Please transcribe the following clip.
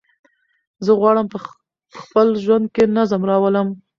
زه غواړم په خپل ژوند کې نظم راولم.